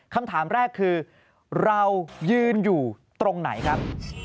คำถามแรกคือเรายืนอยู่ตรงไหนครับ